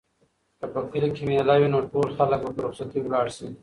که په کلي کې مېله وي نو ټول خلک به په رخصتۍ لاړ شي.